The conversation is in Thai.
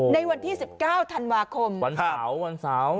ในวันที่๑๙ธันวาคมวันเสาร์วันเสาร์